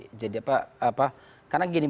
karena gini buruh itu kan juga punya tentuan yang kutip